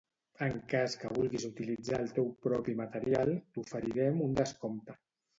En cas que vulguis utilitzar el teu propi material, t'oferirem un descompte.